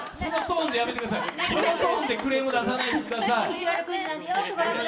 そのトーンでクレーム出さないでください。